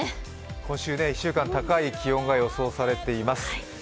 今週１週間、高い気温が予想されています。